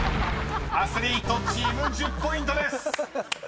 ［アスリートチーム１０ポイントです］